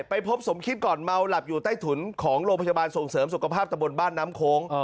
ไปพบสมคิดก่อนเมาหลับอยู่ใต้ถุนของโรงพยาบาลส่งเสริมสุขภาพตะบนบ้านน้ำโค้ง